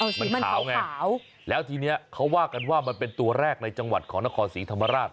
มันขาวไงขาวแล้วทีนี้เขาว่ากันว่ามันเป็นตัวแรกในจังหวัดของนครศรีธรรมราช